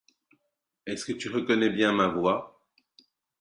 It may also be connected to the standing stone called the Stone Lud.